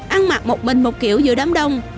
ăn mặc một mình một kiểu giữa đám đông